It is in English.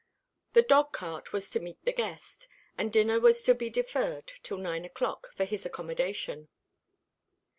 The dog cart was to meet the guest, and dinner was to be deferred till nine o'clock for his accommodation.